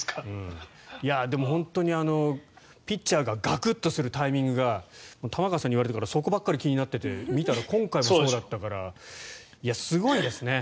でも本当にピッチャーがガクッとするタイミングが玉川さんに言われてからそこばっかり気になってて見たら、今回もそうだったからいや、すごいですね。